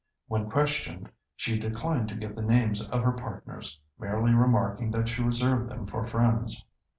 When questioned, she declined to give the names of her partners, merely remarking that she reserved them for friends.